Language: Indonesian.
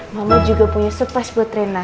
mama juga punya surprise buat rena